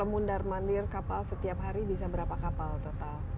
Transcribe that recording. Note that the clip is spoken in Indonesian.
jadi lemun darmanir kapal setiap hari bisa berapa kapal total